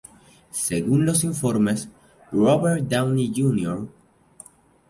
Según los informes, Robert Downey Jr.